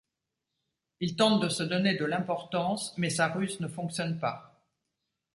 Il tente de se donner de l'importance mais sa ruse ne fonctionne pas.